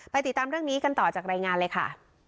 ติดตามเรื่องนี้กันต่อจากรายงานเลยค่ะ